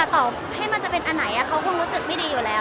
ต่อให้มันจะเป็นอันไหนเขาคงรู้สึกไม่ดีอยู่แล้ว